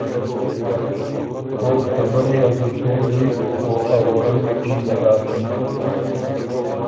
کوک ته برّي ا زُلفېنجی او ا ووړمی ټېنګه داکِن۔